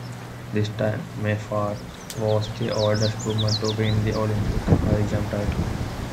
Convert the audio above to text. This time, Meyfarth was the oldest woman to win the Olympic high jump title.